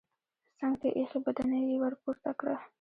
څنګ ته ايښی بدنۍ يې ورپورته کړه.